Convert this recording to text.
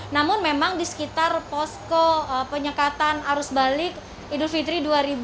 namun memang di sekitar posko penyekatan arus balik idul fitri dua ribu dua puluh